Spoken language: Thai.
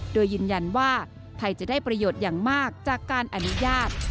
โดยยืนยันว่าไทยจะได้ประโยชน์อย่างมากจากการอนุญาต